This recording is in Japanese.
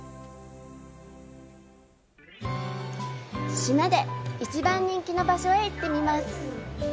島で一番人気の場所へ行ってみます。